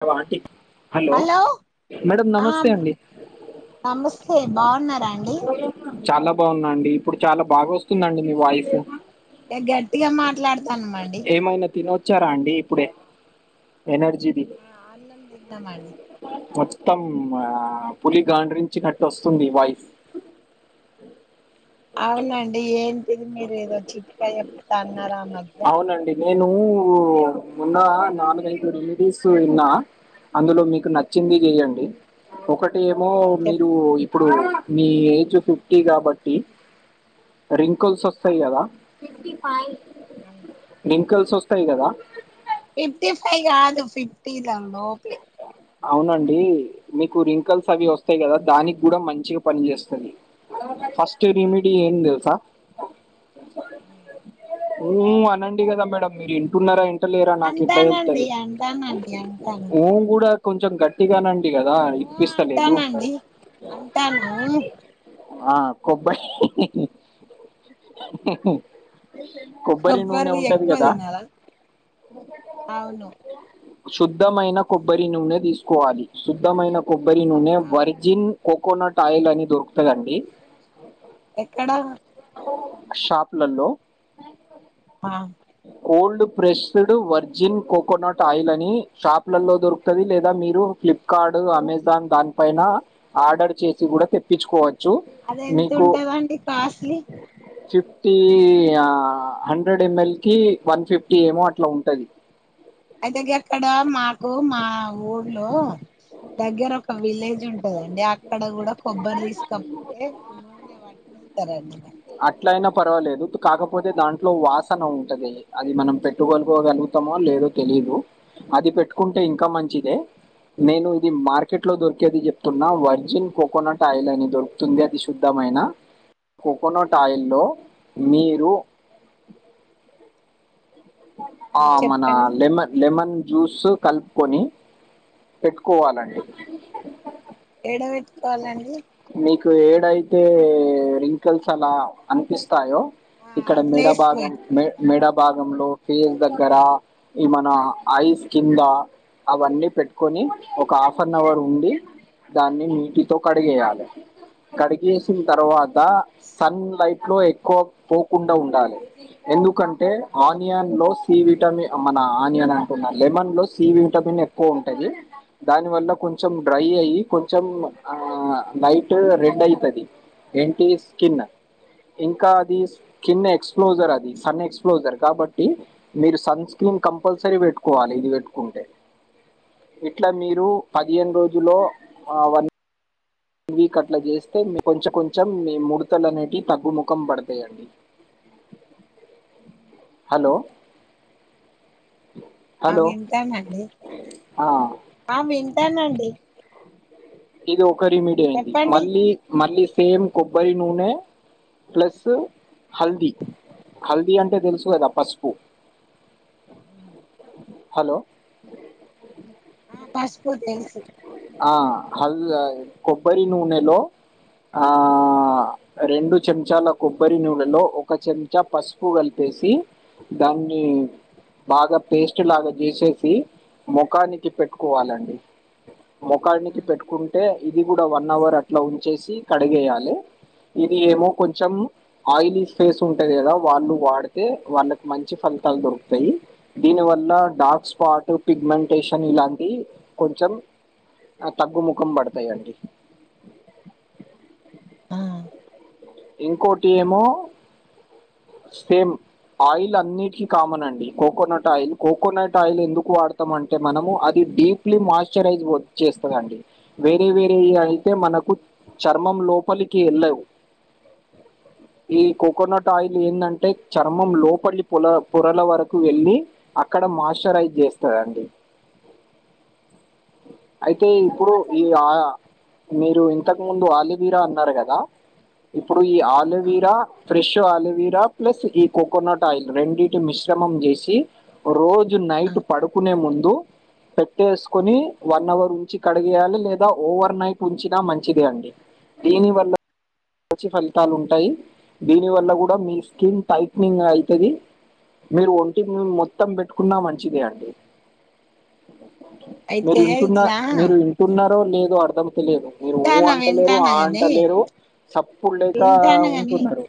Hollow aunty hello madam ఆ నమస్తే అండి నమస్తే బావున్నారా అండి చాలా బావున్నా అని ఇప్పుడు చాలా బాగా వస్తుంది అండి మీ వాయిస్ ఇగ గట్టిగా మాట్లాడతానమం అండి ఇచ్చారా అండి ఇప్పుడే ఎనర్జీది ఆ హాల్ లోనే తింటం అండి మొత్తం ఆ పులి గాండ్రించినట్టు వస్తు ఉంది వాయిస్ అవున అండి ఏంటిది మీరు ఏదో చిట్కా చెప్తా అన్నారు ఆ మధ్య అవునండి నేను మొన్న నాలుగు ఐదు రెమిడీసు విన్నా అందులో మీకు నచ్చింది చెయ్యండి ఒకటి ఏమో మీరు చెప్పండి ఇప్పుడు మీ ఏజ్ ఫిఫ్టీ కాబట్టి రింగ్ కాపుల్స్ వస్తాయి కదా అవును ఎంకల్స్ వస్తాయి గదా ఫిఫ్టీ ఫైవ్ కాదు ఫిఫ్టీ దాని లోపే అవును అండి మీకు రింకల్స్ అవి వస్తాయి కదా దానికి కూడా మంచిగా పని చేస్త అది ఫస్ట్ రెమిడీ ఏంటి తెలుసా హు హుమ్మ్ అనండి కదా మేడం మీరు వింటున్నారా ఇంట లేరా నాకు ఎట్లా తెలు అంటానండి త్తఅది అంటానండి అంటాను హు కూడా కొంచెం గట్టిగా అనండి ఉంది కదా ఊ ఇనిపిస్తలేదు అంటానండి అంటాను ఆ కొబ్బరి కొబ్బరి నూనె కొబ్బరిది ఉంటది ఎక్కువ గదా తినాలా అవును శుద్ధమైన కొబ్బరి నూనె తీసుకోవాలి శుద్ధమైన కొబ్బరి నూనె వర్జిన్ కోకోనట్ అట్ ఆయిల్ అన్ని దొరుకుతదా అండి ఎక్కడా షాపులళ్ళో ఆ cold pressed virgin coconut oil అని షాపుల్లలో దొరుకుతది లేదా మీరు ఫ్లిప్కార్ట్ అమెజాన్ దానిపైన ఆర్డర్ చేసి కూడా తెప్పించుకోవచ్ చ్చు అది ఎంత మీకూ ఉంటదండి కాస్ట్లీ చేప్ టీ హా హండ్రెడ్ ఎంఎల్ కి వన్ ఫిఫ్టీ ఏమో అట్లా ఉంటది అయితే గక్కడ మాకు మా ఊళ్లో దగ్గర ఒక విలేజ్ ఉంటదండి అక్కడ కూడా కొబ్బరి తీస్క తే నూనె పట్టిస్తారు అండి మ అట్లా అయినా పర్వాలేదు కాకపోతే దాంట్లో వాసన ఉంటది అది మనం పెట్టుకోగలుగుతామో లేదో తెలి దు అది పెట్టుకుంటే ఇంకా మంచిదే నేను ఇది మార్కెట్ లో దొరికేది చెప్తున్నా వర్జిన్ కోకోనట్ ఆయిల్ అని దొరుకుతుంది అది శుద్ధమై అయినా కోకోనట్ ఆయిల్లో మీరు ఆ మన లెమ లెమన్ జ్యూస్ కలుపుకొని పెట్టుకోవాలి అండి ఏడ పెట్టుకోవాలి అండి మీకు ఏడ అయితే రింకల్స్ అలా అనిపిస్ స్తాయో ఆ ఇక్కడ మెడ ప్లేస్ కు భాగం మే పెట్టుకోవాలా మెడ భాగంలో ఫేస్ దగ్గర ఈ మన ఐస్ కింద అవన్నీ పెట్టుకొని ఒక హాఫ్ ఆన్ అవర్ ఉండి దాన్ని నీటి తో కడిగేయాలే కడిగేసిన ఆ తర్వాత సన్ లైట్ లో ఎక్కువ పోకుండా ఉండాలి ఎందుకంటే ఆనియన్ లో సి విటమిన్ మన ఆనియన్ అంటున్న లెమన్ లో సి విటమిన్ ఎక్కువ ఉంటది దాని వల్ల కొంచెం డ్రై అయ్యి కొంచెం ఆ లైట్ రెడ్ అయితది ఎంటి స్కిన్ ఇంకా అది చిన్న ఎక్స్ప్లోజర్ అది సన్ ఎక్స్ప్లోజర్ కాబట్టి మీరు సన్ స్క్రీన్ కంపల్సరీ పెట్టుకోవాలి ఇది పెట్టుకుంటే ఇట్లా మీరు పదిహేను రోజులో అ వన్ న్వీక్ కట్ల చేస్తే కొంచెం కొంచెం మీ ముడతలనేటియి తగ్గుముఖం పడుతాయండి హలో ఆ హలో వింటానండి ఆ, ఆ వింటానండి ఇది ఒక రేమీడి అయింది చెప్పండి మళ్ళీ మళ్ళీ సేమ్ కొబ్బరి నూనె ప్లస్ హల్ది హల్దీ అంటే తెలుసు కదా పసుపు బ హలో ఆ పసుపు తెలుసు ఆ హల్ కొబ్బరి నూనే లో ఆ రెండు చెంచాల కొబ్బరి నూనెలో ఒక చెంచా పసుపు కలిపె సి దాన్ని బాగా పేస్ట్ లాగా చేసేసి ముఖానికి పెట్టుకోవాలండి ఆ మొఖానికి పెట్టుకుంటే ఇది కూడా వన్ అవర్ అట్లా ఉంచేసి కడిగేయాలే ఇది ఏమో కొంచెం ఆయిలీ ఫేస్ ఉంటంది కదా వాళ్ళు వాడితే వాళ్ళకి మంచి ఫలీ ాలు దొరుకుతాయి దీని వల్ల డార్క్ స్పాట్ పిగ్మెంటేషన్ ఇలాంటి కొంచెం అ తగ్గుముఖం బడతాయండి ఆ ఇంకోటి ఏమో సేమ్ ఆయిల్ అన్నిటికి కామన్ అండి కోకోనట్ ఆయిల్, కోకోనట్ ఆయిల్ ఎందుకు వాడుతామంటే మనము అది. డీప్లీ మాయిశ్చరైజ్ చేస్తదండి వేరే వేరే అయితే మనకు చర్మం లోపలికి ఎల్లవ్ ఈ కోకోనట్ ఆయిల్ ఏందంటే చర్మం లోపలి పొల పొరల వరకు వెళ్ళీ అక్కడ మాస్చరైజ్ జేస్తదండి అయితే ఇప్పుడు ఈ ఆ మీరు ఇంతకు ముందు ఆలివీరా అన్నారు గదా ఇప్పుడు ఈ ఆలోవీరా అవును ఫ్రెష్ ఆలవీర్ జ ప్లస్ ఈ కోకోనట్ ఆయిల్ రెండిటి మిశ్రమం జేసి రోజ్ జు ఆ నైట్ పడుకునే ముందు పెట్టేసుకొని వన్ అవర్ ఉంచి కడిగేయాలి లేదా ఓవర్ నైట్ ఉంచినా మంచిదే అండి దీని వల్ల మంచి ఫలితాలు ఉంటాయి దీనివల్ల గూడా మీ స్కిన్ టైట్నింగ్ అయితది మీరు ఒంటి మీ మొత్తం పెట్టుకున్న మంచిదే అండి మీరు అయితే వింటున్న ఇట్లా మీరు వింటున్నారో లేదో అర్ధం లేదు మీరు ఊ వింటానా అంట లేరు వింటానా ఆ అంట గాని లేరు సప్పుడు లేక ఉంటున్నారు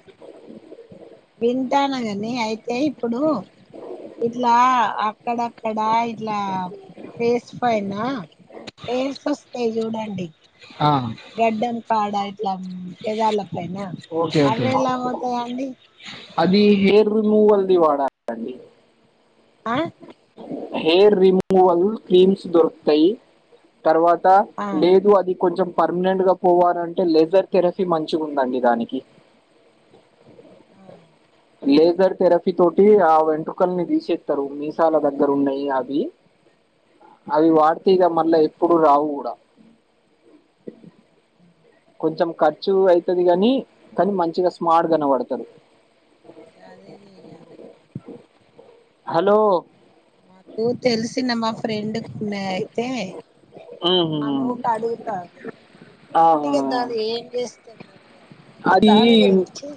వింటాన గాని అయితే ఇప్పుడు ఇట్లా అ అక్కడక్కడా ఇట్లా ఫేస్ ఫైనా ఏర్స్ ఒస్తాయ్ జూడండి గడ్డన్ కాడా ఇట్లా పెదాల పైనా అవ్వి ఎలా అవుతాయండి అదీ హెయిర్ రిమూవల్ ది వాడాలండి ఆ హేర్ రిమూవల్ క్రీమ్స్ దొరుకుతయి తర్వాత ఆ లేదు అది కొంచెం పర్మనెంట్ గా పోవాలంటే లేజర్ థెరపీ మంచిగుందండి దానికి ఆ లేజర్ థెరపి తోటీ ఆ వెంట్రుకల్ని దీసేత్తరు మీస్ చాలా దగ్గర ఉన్నాయి అవి అవి వాడితే ఇగ మళ్ళా ఎప్పుడు రావు గూడా కొంచెం ఖర్చు అయితది గానీ కానీ మంచిగా స్మార్ట్ గనవడతరు అదే జెయ్యాలె హలో నాకూ తెలిసిన మా ఫ్రెండుక్ ఉన్నయ్ అయితే ఉమ్, ఆమో కడుగుతారు ఆ ఇగ దాన్ని ఏం జేస్తముగా [inaudible] అది దాని గురించి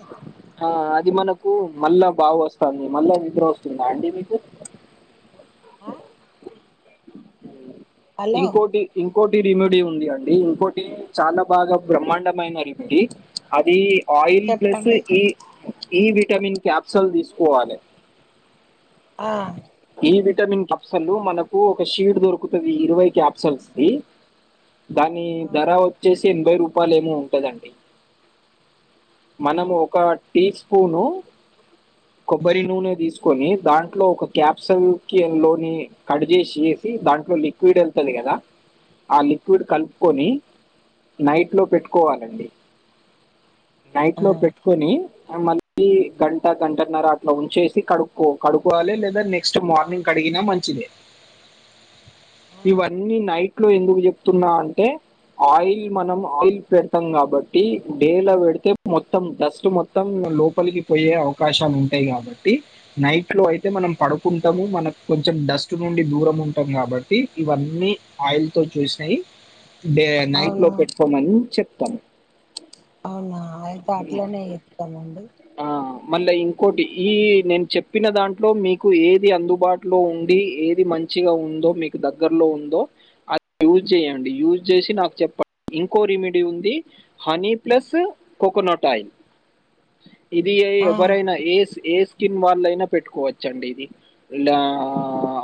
ఆ అది మనకు మళ్ళా బాగా వస్తాంది మళ్ళా నిద్ర వస్తుందా అండి మీకు అ ఇంకోటి ఇన్ ఇంకోటి రిముడీ ఉంది అండి ఇంకోటి చాలా బాగా బ్రహ్మాండమైన రిముడీ అదీ ఆయిల్ ప్లస్ చెప్పండి ఇ ఈ విటమిన్ క్యాప్సల్ దీసుకోవాలే ఆ ఈ విటమిన్ క్యాప్సల్లు మనకు ఒక షీట్ దొరుకుతది ఇరవై క్యాప్సల్స్ ది దానీ ధర అవును వచ్చేసి ఎనభై రూపాయలు ఏమో ఉంటదండి ఆ మనం ఒక టీ స్పూను కొబ్బరి నూనె తీసుకొని దాంట్లో ఒక క్యాప్సల్ కి లోని కట్ చేసి వేసి దాంట్లో లిక్విడ్ ఎళ్తది కదా ఆ లిక్విడ్ కలుపుకొని నైట్ లో పెట్టుకోవాలండి నైట్ ఆ లో పెట్టుకొని మళ్ళీ గంట గంటన్నర అట్లా ఉంచేసి కడుక్కో కడుక్కోవాలి లేద లేదా నెక్స్ట్ మార్నింగ్ కడిగినా మంచిదే ఆ ఇవన్నీ నైట్ లో ఎందుకు చెప్తున్నా అంటే ఆయిల్ మనం ఆయిల్ పెడతాం కాబట్టి డేలా పెడితే మొత్తం డస్ట్ మొత్తం లోపలికి పోయే అవకాశాలు ఉంటాయి కాబట్టి నైట్ లో అయితే మనం పడుకుంటము మనకు కొంచెం డస్ట్ నుండి దూరం ఉంటాం కాబట్టి ఇవన్నీ ఆయిల్ తో చేసి నయి డే నైట్ లో అవును పెట్టుకోమని చెప్తం అవునా అయితే అట్లనే చేస్తామండి మళ్ల ఇంకోటి ఈ నేను చెప్పిన దాంట్లో మీ కు ఏది అందుబాటులో ఉండి ఏది మంచిగా ఉందో మీకు దగ్గరలో ఉందో అది యూజ్ చేయండి యూజ్ చేసి నాకు చెప్పండి ఇంకో రెమెడీ ఉంది హనీ ప్లస్ కోకోనట్ ఆయిల్ ఇది ఆ ఎవరైనా ఏ ఏ స్కిన్ వాళ్ళైనా పెట్టుకో వచ్చు అండి ఇది ఇలా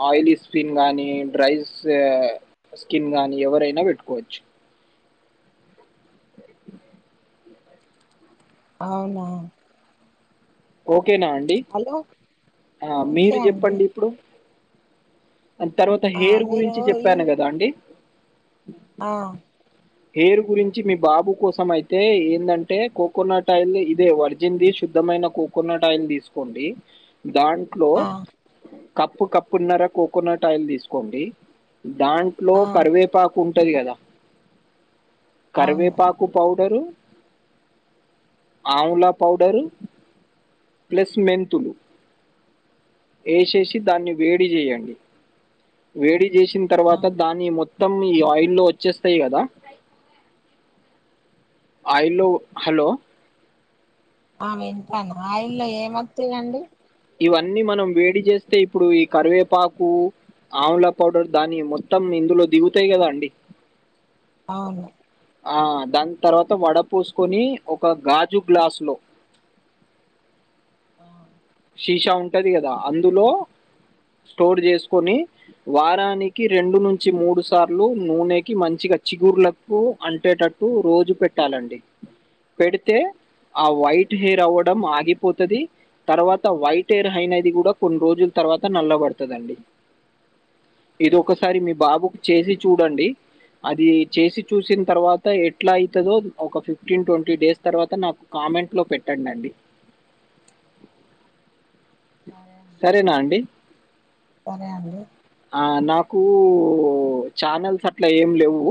ఆయిలీ స్కిన్ గానీ డ్రైస్ స్కిన్ స్కిన్ గానీ ఎవరైనా పెట్టుకోవచ్చు అవునా ఓకేనా అండి హలో ఆ ఓకే మీరు అండి చెప్పండి ఇప్పుడు అం తర్వాత ఆ హెయిర్ మీరు గురించి ఈ చెప్పాను కదా అండి ఆ హెయిర్ గురించి మీ బాబు కోసం అయితే ఏందంటే కోకోనట్ ఆయిల్ ఇదే వర్జిన్ ది శుద్ధమైన కోకోనట్ ఆయిల్ తీసుకోండి దాంట్లో ఆ కప్పు కప్పున్నర కోకోనట్ ఆయిల్ తీసుకోండి దాంట్లో ఆ కరివేపాకు ఉంటది కదా అవును కరివేపాకు పౌడరు ఆమ్లా పౌడరు ప్లస్ మెంతులు ఏసేసి దాన్ని వేడి చేయండి వేడి చేసిన ఆ తర్వాత దాన్ని మొ మొత్తం ఈ ఆయిల్ లో వచ్చేస్తాయి కదా ఆయిల్లో హలో ఆ వింటాను ఆయిల్లో ఏమ్ వత్తాయి అండి ఇవన్నీ మనం వేడి చేస్తే ఇప్పుడు ఈ కరివేపాకు ఆమ్ల పౌడర్ దాని మొత్తం ఇందులో దిగుతాయి కదా అండి అవును ఆ దాని తర్వాత వడ పోసుకొని ఒక గాజు గ్లాసు లో ఆ శీషా ఉంటది కదా అందులో స్టోర్ చేసుకొని వారానికి రెండు నుంచి మూడు సార్లు నూనెకి మంచి చిగుర్లకు అంటేటట్టు రోజు పెట్టాలండి పెడితే ఆ వైట్ హెయిర్ అవ్వడం ఆగిపోతది తర్వాత వైట్ ఎయిర్ అయినది కూడా కొన్ని రోజుల తర్వాత నల్లబడుతది అండి ఇది ఒకసారి మీ బాబుకు చేసి చూడండి అది చేసి చూసిన తర్వాత ఎట్లా అయితదో ఒక ఫిఫ్టీన్ ట్వంటీ డేస్ తర్వాత నాకు కా కామెంట్లో పెట్టండి అండి. సరే సరేనా అండి? సరే అండి ఓ ఛానల్స్ అట్లా ఏం లేవ్వు.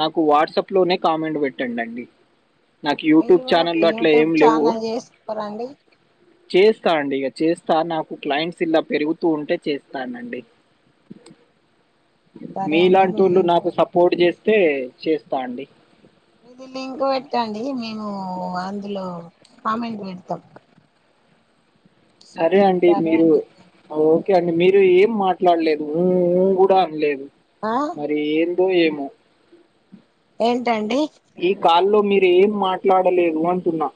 నాకు వాట్సాప్ లోనే కామెంట్ పెట్టండి అండి. నాకు మీరు యూట్యూబ్ కూడా ఒక ఛానళ్ళు అట్లా యూట్యూబ్ ఏం లేవ్వు. ఛానల్ చేసుకోరండి చేస్తా అండి ఇగ చేస్తా నాకు క్లైంట్స్ ఇలా పెరుగుతూ ఉంటే చేస్తానండి. సరే అండి మీలాంటి మీ ఓళ్ళు లింక్ నాకు సపోర్ట్ చేస్తే చేస్తా అండి ఇది లింక్ పెట్టండి మేము అందులో కామెంట్ పెడతాం. సరే అండి సరే మీరు అండి ఓకే అండి ధన్యవాదాలండి మీరు ఏం మా ట్లాడలేదు ఊ ఊ కూడా అనలేదు ఆ మరీ ఏందో ఏమో? ఏ ఈ కాల్లో మీరు ఏం మాట్లాడలేదు అంటున్నా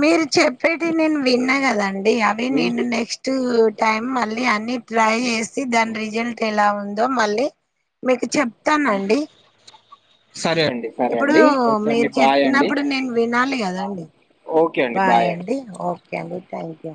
మీరు చెప్పేటి నేను విన్నా కదండి అవి నేను వింటే నెక్స్ట్ టైం మళ్ళీ అన్ని ట్రై చేసి దాని రిజల్ట్ ఎలా ఉందో మళ్ళీ మీకు చెప్తానండి. సరే అండి సరే ఇప్పుడు అండి ఓకే మీరు అండి బాయ్ అండి చెప్పినప్పుడు నేను వినాలి కదాండి. బాయ్ అండి ఓకే అండి థ్యాంక్యూ